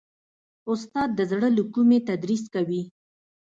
استاد د زړه له کومي تدریس کوي.